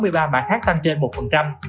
một trăm sáu mươi ba mã khác tăng trên một